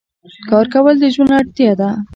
کار کول د ژوند اړتیا ده.